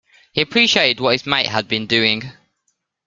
He appreciated what his mate had been doing.